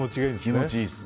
気持ちいいんです。